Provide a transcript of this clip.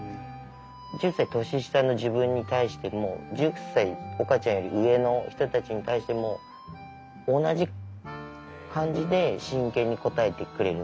１０歳年下の自分に対しても１０歳岡ちゃんより上の人たちに対しても同じ感じで真剣に答えてくれるんですよ。